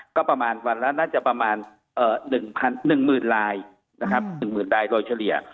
ก็ประมาณวันละน่าจะประมาณ๑๐๐๐ลายนะครับ๑๐๐๐ลายโดยเฉลี่ย